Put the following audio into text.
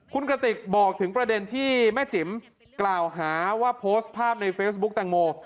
คุณกระติกบอกถึงประเด็นที่แม่จิ๋มกล่าวหาว่าโพสต์ภาพในเฟซบุ๊คแตงโม